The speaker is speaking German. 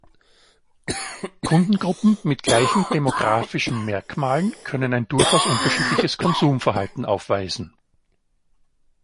Kundengruppen mit gleichen demographischen Merkmalen können ein durchaus unterschiedliches Konsumverhalten aufweisen.